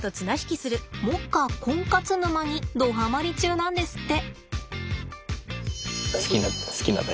目下コンカツ沼にどはまり中なんですって。